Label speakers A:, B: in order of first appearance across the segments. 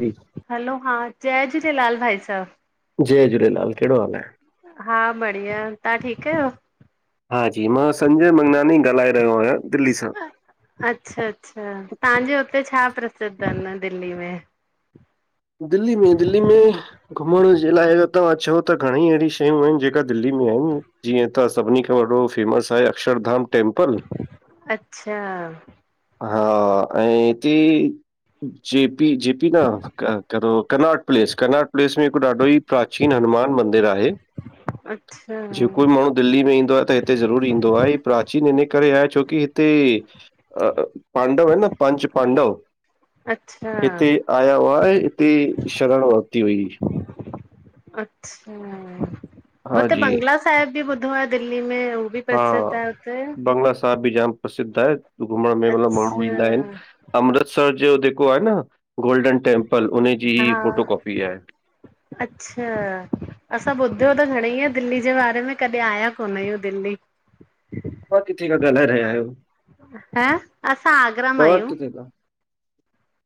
A: जी
B: hello हा जय झूलेलाल भाई साहिब।
A: जय झूलेलाल, केहड़ो हाल आहे?
B: हा बढ़िया तां ठीक आयो?
A: हा जी मां संजय मंगनानी ॻाल्हाए रह्यो आईंयां दिल्ली सां।
B: अच्छा अच्छा तांजे हुते छा प्रसिद्ध आहिन दिल्ली में?
A: दिल्ली में दिल्ली में। घुमण जे लाइ तां चओ त घणेई अहिड़ी शयूं आहिन जेका दिल्ली में आहिन। जीअं त सभनी खां वॾो फेमस आहे अक्षरधाम टेंंपल।
B: अच्छा।
A: हा ऐं ती। जेपी जेपी न को कन्नाॾ प्लेस कन्नाॾ प्लेस में हिकु ॾाढो ई। प्राचीन हनुमान मंदिर आहे
B: अच्छा
A: जेको माण्हू। दिल्ली में ईंदो आ त हिते ज़रूर ईंदो आहे ह प्राचीन हिनै करे आ छोकी हिते। अ पांडव है न पंच पांडव।
B: अच्छा।
A: हिते आया हुआ, इते शरण वरती हुअईं।
B: अच्छा, हू
A: हा
B: त
A: जी
B: बंगला साहिब बि ॿुधो आहे दिल्ली में हू त
A: हा
B: सरदार थियो।
A: बंगला बि जाम प्रसिद्ध आहे। घुमण में मतलबु माण्हू
B: अच्छा
A: ईंदा आहिनि। [unintelligible] अमृतसर जो जेको आहे न, गोल्डन टेम्पल, उन्हें जी
B: हा
A: फोटो कॉपी आहे। हीउ
B: भइया, दिल्ली जे बारे में, कॾहिं आया कोन आहियूं, दिल्ली।
A: पां किथे गॾंना रया आहियूं [unintelligible]
B: हं, असां आगरा मां आहियूं।
A: किथे खां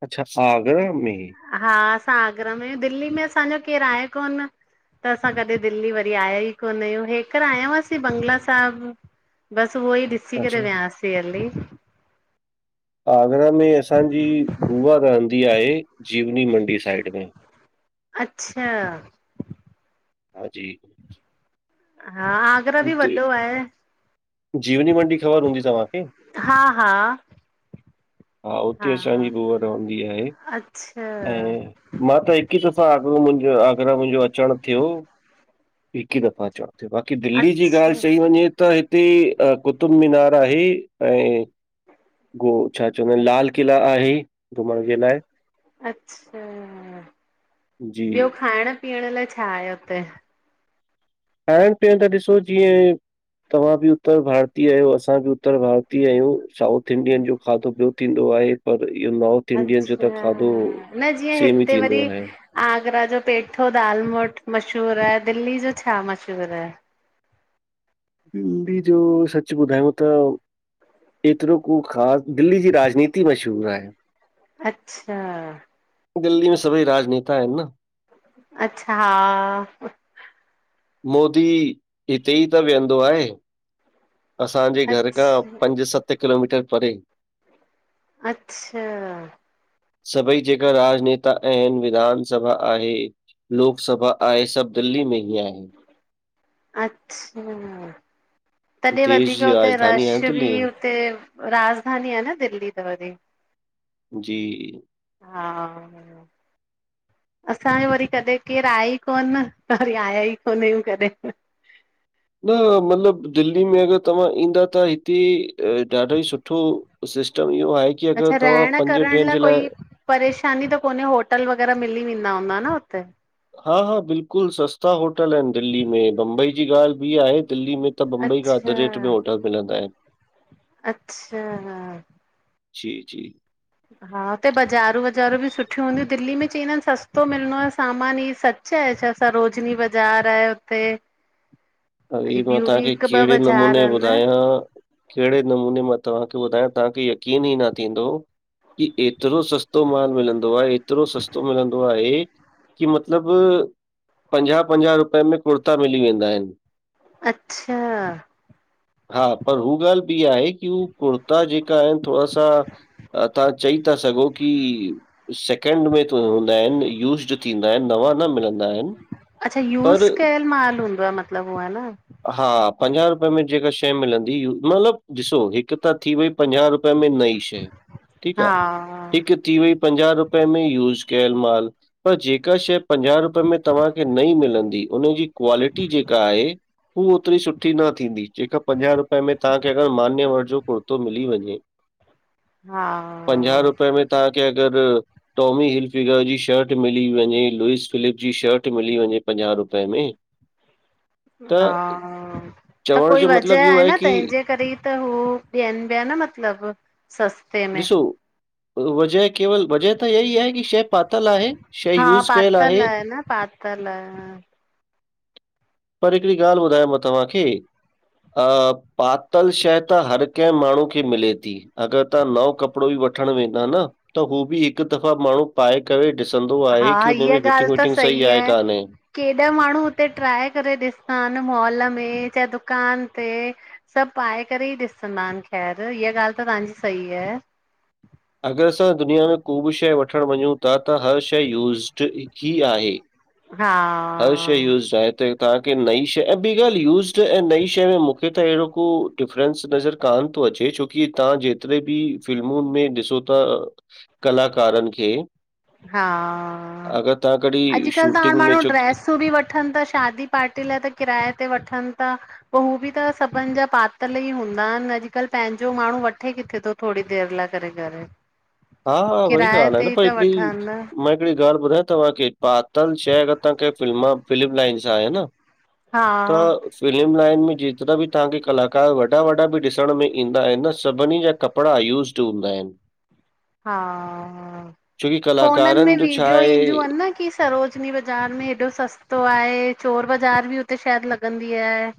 A: अच्छा, सां आगरा में ही। [unintelligible]
B: हा असां आगरा में आहियूं, दिल्ली में असांजो केरु आहे कोन। त असां कॾहिं दिल्ली वरी आया ई कोन आहियूं। हेकर आया हुआसीं बंगला साहिबु बसि, उहो ई ॾिसी करे
A: अच्छा
B: वियासीं हली।
A: आगरा में असांजी, बुआ रहंदी आहे। जीवनी मंडी साइड में।
B: अच्छा।
A: हा जी।
B: हा, आगरा बि
A: हुते
B: वॾो आहे।
A: जीवनी मंडी ख़बर हूंदी तव्हांखे?
B: हा, हा।
A: हा उते असांजी बुआ रहंदी आहे।
B: अच्छा
A: ऐं मां त हिकु हिकु ई दफ़ा आगरो मुंहिंजो आगरा मुंहिंजो अचणु थियो। हिकु ई दफ़ा अचणु थियो बस। की दिल्ली जी ॻाल्हि
B: अच्छा
A: चई वञे त हिते, कुतुब मीनार आहे ऐं गो छा चवंदा आहिनि? लाल किला आहे। घुमण जे लाइ।
B: अच्छा,
A: जी
B: ॿियो खाइण पीअण लाइ छा आहे हुते?
A: खाइण- पीअण जो ॾिसो जीअं तव्हां बि त भारतीय आहियो। असां बि त भारती आहियूं। साउथ इंडियन जो खाधो ॿियो थींदो आहे। पर इहो नॉर्थ इंडियन जो
B: अच्छा
A: त खाधो,
B: न जीअं
A: सेम ई
B: हिते वरी
A: थींदो आहे।
B: आगरा जो पेठो, दालमोट मशहूरु आहे। दिल्ली जो छा मशहूरु आहे?
A: निं डी जो सच ॿुधायांव त [unintelligible] एतिरो को ख़ासि, दिल्ली जी राजनीति मशहूर आहे।
B: अच्छा।
A: दिल्लीअ सभई राजनेता आहिनि न।
B: अच्छा।
A: मोदी, हिते ई त विहंदो आहे। असांजे घर खां
B: अच्छा
A: पंज-सत, किलोमीटर परे।
B: अच्छा।
A: सभई जेका राजनेता आहिनि, विधान सभा आहे। लोक सभा आहे। सभु दिल्ली में ई आ आहे।
B: अच्छा। तॾहिं
A: देश
B: वधीक
A: जी
B: हुते रश
A: राजधानी आहे
B: बि,
A: दिल्ली
B: हुते राजधानी आहे न दिल्ली त वरी।
A: जी।
B: हा। असांजो वरी कॾहिं केरु आये ई कोन न, त वरी आया ई कोन आहियूं कॾहिं।
A: न मतिलब दिल्ली में अगरि तव्हां ईंदा त हिते, ॾाढो ई सुठो सिस्टम इहो आहे की
B: अच्छा
A: अगर तव्हां
B: रहण
A: पंज
B: करण
A: ॾींहंन जे लाइ
B: कोई परेशानी त कोन्हे, होटल वग़ैरह त मिली वेंदा हूंदा न हुते?
A: हा- हा बिल्कुलु, सस्ता होटल आहिन दिल्ली में, बम्बई जी ॻाल्हि बि आहे। दिल्ली में त बम्बई खां अधु
B: अच्छा
A: रेट में होटल मिलंदा आहिन।
B: अच्छा!
A: जी- जी
B: हा हुते बज़ारूं वज़ारूं बि सुठियूं हूंदियूं, दिल्ली में चईंदा आहिन सस्तो मिलंदो आहे सामान ई स छा ए, छा हे असां सरोजनी बाज़ार आहे उते।
A: अङे मां तव्हांखे कहिड़े नमूने
B: आहिनि
A: ॿुधायां कहिड़े नमूने मां तव्हांखे ॿुधायां, तव्हांखे यकीन ई न थींदो कि एतिरो सस्तो माल मिलंदो आ, एतिरो सस्तो मिलंदो आहे कि मतिलब पंजाह पंजाहु रुपए में कुर्ता मिली वेंदा आहिन।
B: अच्छा
A: हा पर हू ॻाल्हि ॿी आहे कि हू कुर्ता जेका आहिन, थोङा सा तां चई सघो कि सेकड में हूंदा आहिन, यूज़ड थींदा आहिन, नवा न मिलंदा आहिनि,
B: अच्छा
A: पर
B: यूस कयल माल हूंदो आहे मतलबु उ आ न।
A: हा पंजाहु रुपे में जेका शै मिलंदी मतिलबु ॾिसो, हिकु त थी वई पंजाह रुपे में नई शै ठीकु आ,
B: हा
A: हिकु थी वई पंजाह रुपए में यूज़ कयल माल। पर जेका शै पंजाहु रुपये में तहांखे नई मिलंदी उनजी क्वालिटी जेका आहे हू ओतिरी सुठी न थींदी, जेका पंजाह रुपए में तहांखे अगर मान्यवर जो कुर्तो मिली वंञे
B: [inaudible] हा
A: पंजाहु रुपए में तवहांखे अगर टॉमी हिलफिगर जी शर्ट मिली वंञे, लूइस फिलिप जी शर्ट मिली वंञे पंजाहु रुपए में त
B: हा त
A: चवण
B: कोई
A: जो मतिलबु
B: वजह
A: इहो
B: आहे न
A: की
B: तंहिंजे करे त हू ॾियनि ॿिया न मतिलबु सस्ते में।
A: ॾिसो वजह केवल, वजह त इ ई आहे कि शै पातल आहे, शै यूज़ कयल आहे।
B: प [unintelligible] तला [inaudible]
A: पर हिकिड़ी ॻाल्हि ॿुधायां मां तव्हांखे पातल शै त हर कंहं माण्हू खे मिले थी। अगर तां नओं कपड़ो बि वठण वेंदा न त हू बि हिकु दफ़ा माण्हू पाए करे ॾिसंदो
B: हा
A: आहे कि हुन
B: इहा
A: में फिटिंग
B: ॻाल्हि त
A: विटिंग सही आहे कान्हे।
B: केॾा माण्हू हुते ट्राए करे ॾिसंदा आहिन, मॉल में चाहे दुकान ते। सब पाए करे ई ॾिसंदा आहिन ख़ैर, इहा ॻाल्हि त तांजी सही आहे।
A: अगर असां दुनिया में को बि शै वठण वंञू था त हर शै यूज़ड ईआहे,
B: हा
A: हर शइ यूज़ आहे त तव्हांखे नईं शै, ऐं ॿी ॻाल्हि यूज़ड ऐं नई शै में मूंखे त अहिड़ो को डिफरेंस नज़र कोन थो अचे, छोकि तहां जेतिरे बि फिल्मुनि में ॾिस छो त कलाकारनि खे
B: हा,
A: अगरि तव्हां कॾहिं
B: अॼुकल्ह त हाणे
A: शूटिंग में
B: माण्हू
A: छो की
B: ड्रेसूं बि वठनि ता शादी पार्टी लाए त किराए ते वठनि ता। पो हू बि त सभिन जा पातल ई हूंदा आहिन, अॼुकल्ह पंहिंजो माण्हू वठे किथे थो। थोड़ी देर लाइ करे- करे।
A: हा- हा, वई
B: किराए
A: ॻाल्हि आहे न,
B: ते ई
A: पर
B: था
A: हिकिड़ी
B: वठनि
A: हिकड़ी ॻाल्हि ॿुधायां तव्हांखे, पातल शइ अगरि तांखे फ्म फिल्म लाइन सां आहे न
B: हा
A: त फ़िल्म लाइन में जेतिरा बि तांखे कलाकार वॾा वॾा बि ॾिसण में ईंदा आहिनि न सभिनी जा कपिड़ा यूज़ हूंदा आहिनि।
B: हा,
A: छोकी
B: फोननि में
A: कलाकारनि जो छा
B: विडियो
A: आहे
B: ईंदियूं अनि न की सरोजनी बाज़ारि में हेॾो सस्तो आहे, चोर बाज़ार बि हुते शायदि लॻंदी आहे।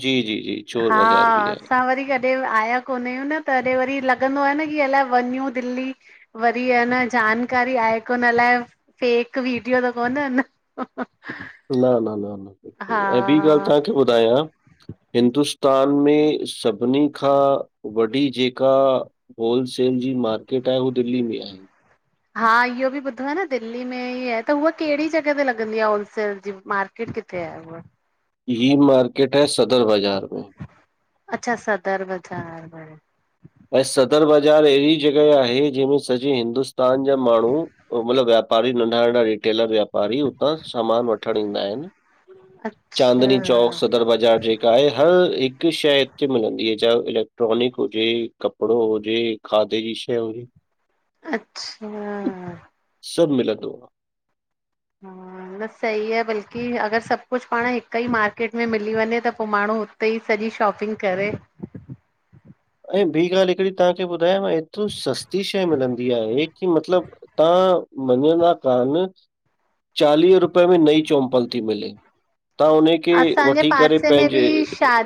A: जी जी जी। चोर
B: हा,
A: बाज़ार बि आहे।
B: असां वरी कॾ ॿियो आया कोन आहियूं न, तॾहिं वरी लॻंदो आ न की अलाए वञू दिल्ली। वरी आ न, जानकारी आहे कोन अलाइ, फेक वीडियो त कोने न।
A: न न न
B: हा
A: न, ऐं ॿी ॻाल्हि तांखे ॿुधायां। हिंदुस्तान में सभिनी खां वॾी जेका होलसेल जी मार्केट आहे हू दिल्ली में आहे।
B: हा, इहो बि ॿुधो आ न दिल्ली में ई आहे, त उहो कहिड़ी जॻह ते लॻंदी आ होलसेल जी मार्केट। [unintelligible] कथे आहे हूअ?
A: ही मार्केट आहे सदर बाज़ार में।
B: अच्छा, सदर बज़ार में।
A: ऐं सदर बाज़ारि अहिड़ी जॻहि आहे जंहिंमें सॼे हिंदुस्तान जा माण्हूं मतिलबु व्यापारी, नंढा नंढा रिटेलर वापारी उतां सामान वठण ईंदा आहिनि। चांदनी चौक
B: अच्छा
A: सदर बाज़ार जे हर, हिक शइ हिते मिलंदी आहे चाहे इलेक्ट्रॉनिक हुजे कपड़ो हुजे, खाधे जी शइयू
B: अच्छा।
A: सभु मिलंदो आ।
B: हा। न सही आ, बल्कि अगर सभु कुछु पाण हिक ई मार्केट में मिली वञे त पोइ माण्हूं त ई सॼी शॉपिंग करे।
A: ऐं बी ॻाल्हि हिकड़ी तांखे ॿुधायांव, ऐतिरो सस्ती शइ मिलंदी आहे, कि मतिलब तां मञंदा कान चालीहें रुपए में नई चौंम्पल ती मिले, तां उन खे वठी करे पंहिंजे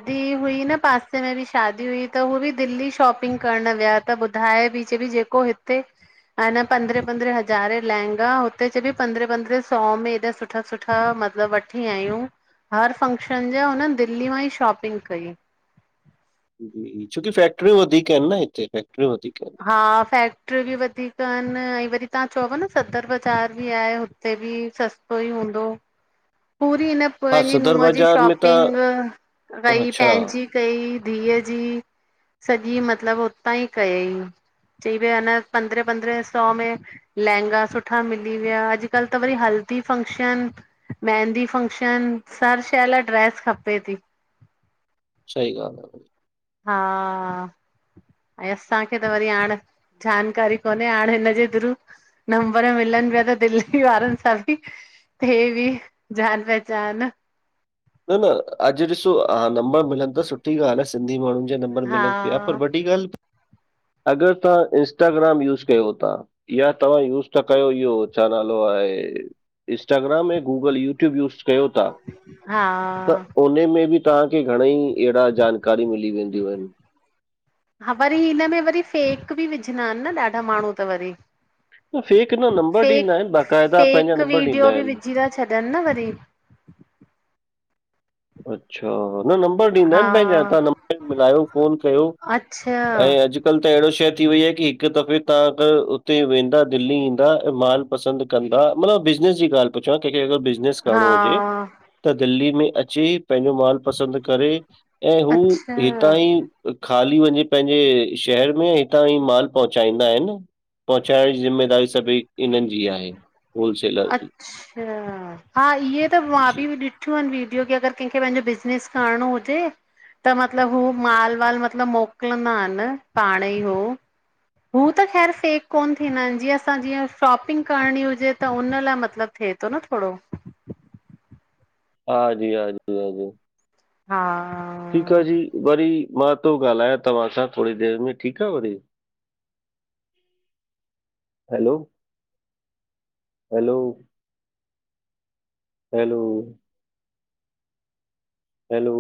B: थी हुई न पासे में बि शादी हुई त हू बि दिल्ली शॉपिंग करण विया त ॿुधाए पई चए बि जे पो हिते? त हिन पंदरहें पंदरहें हज़ारें लहंगा, हुते चए पई पंद्रहें पंद्रहें सौ में हेॾा सुठा सुठा सुठा मतिलब वठी आयूं, हर फंक्शन जा हुन दिल्ली मां ई शॉपिंग कई।
A: जी जी, छोकी फैक्टरीूंय वधीक इन न हिते, फैक्टरीूंय वधीक इन।
B: हा, फैक्ट्रियूं बि वधीक अनि, ऐं वरी तां चओ प्या न सदर बाज़ार बि आहे। हुते बि सस्तो ई हूंदो। पूरी हिन
A: हा,
B: पंजी
A: सदर
B: नुंहं जी
A: बाज़ार में त
B: शॉपिंग कराई,
A: अच्छा,
B: पंहिंजी। कई धीअ जी, सॼी मतिलब उतां ई कयईं। चई विया न पंद्रहें पंद्रहें सौ में लहंगा सुठा मिली विया, अॼकल् त वरी हल्दी फंक्शन मेंहदी फ़ंक्शन, हर शइ लाइ ड्रैस खपे ती।
A: सही ॻाल्हि आ।
B: हा आऐं असांखे त वरी हाणे जानकारी कोन्हे हाणे हिनजे थ्रू। नंबर मिलन पिया त दिल्ली वारन सां बि। हे बि जान पहचान।
A: न न अॼु ॾिसो हा नंबर मिलन्दस थ सुठ। सुठी ॻाल्ह आ सिंधी माण्हुन जा नंबर
B: हा
A: मिलन प्या पर वॾी ॻाल्ह। अगर तां इंस्टाग्राम यूज़ कयो था। इहा तव्हां यूज़ त कयो इहो छा नालो आहे? इस्टाग्राम ऐं गूगल यूट्यूब यूज़। कयो था,
B: हा।
A: त उन में बि तांखे घणेई एहड़ा जानकारी मिली वेंदियूं आहिन।
B: हा वरी हिनमें वरी फेक बि विझंदा आहिन न ॾाढा माण्हू त वरी।
A: त फेक न नंबर ॾींदा
B: फेक
A: आहिनि, बाक़ाइदा पंहिंजा
B: फेक
A: नंबर ॾींदा
B: वीडियो बि
A: आहिनि।
B: विझी था छॾन न वरी।
A: अच्छा हून नंम्। नंबर
B: हा
A: दिइंदाइन पंहिंजा ता नंबर मिलायो फोन कयो
B: अच्छा
A: अंए अजयो। अॼकल् त अहिड़ो शइ थी वई आ की हिक दफ़े तां अगर हुते वेंदा दिल्ली ईंदा ऐं माल। पसंद कंदा मतलब बिज़नस जी ॻाल तो चवां केंखे अग़र बिज़नेस
B: हा
A: करणो हुजे त दिल्ली में अ। अचे पंहिंजो माल पसंद करे ऐं हू
B: अच्छा
A: हितां ई। खाली वञी पंहिंजे शहर में हितां ई माल पहुचाईंदा आहिन। पहुचाइ जी ज़िमेदारी सभई इन्हन जी आहे। होलसेलर जी।
B: अच्छा, हा इहे त मां बि
A: जी,
B: दि। सुठियूं आहिन वीडियो की अगर कंहिंखे पंहिंजो बिज़नेस करणो हुजे। त मतलब हू माल वाल मतलब मोकलंदा आहिन पाण ई उ। हू त ख़ैर फेक कोन्ह थींदा आहिन जीअं असां जीअं शॉपिंग करणी हुजे। त उन लाइ मतलब थिए तो न थोड़ो।
A: हां जी हां जी लोग हो।
B: हा।
A: ठीक़ आ जी। वरी मां तो ॻाल्हायां तव्हां सां थोरी देर में ठीक आ वरी।
B: [inaudible]
A: Hello, hello hello. हैलो।